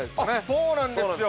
◆そうなんですよ。